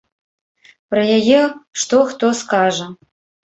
Пра яе што хто скажа.